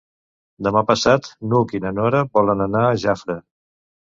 Demà passat n'Hug i na Nora volen anar a Jafre.